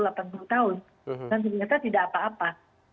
dan ternyata tidak apa apa